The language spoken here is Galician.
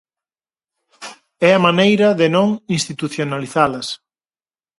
É a maneira de non institucionalizalas.